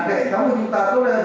cái hệ thống của chúng ta tốt hơn